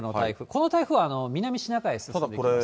この台風は南シナ海へ進んでいます。